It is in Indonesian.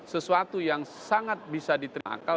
sesuatu yang sangat bisa diterima akal